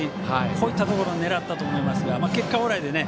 こういったところを狙ったと思いますが結果オーライでね。